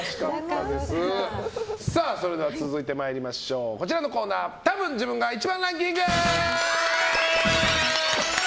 それでは続いてこちらのコーナーたぶん自分が１番ランキング！